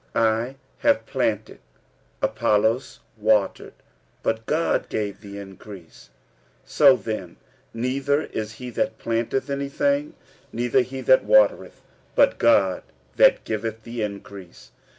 46:003:006 I have planted, Apollos watered; but God gave the increase. 46:003:007 So then neither is he that planteth any thing, neither he that watereth; but God that giveth the increase.